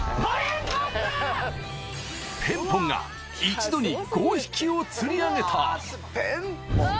ペンポンが一度に５匹を釣り上げたうわ